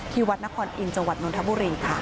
วัดนครอินทร์จังหวัดนทบุรีค่ะ